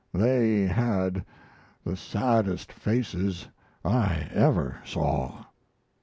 They had the saddest faces I ever saw."